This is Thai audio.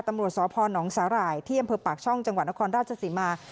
ตำรวจสพนสาหร่ายที่อำเภอปากช่องจังหวัดนครราชศรีมา